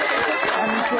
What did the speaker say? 「こんにちは」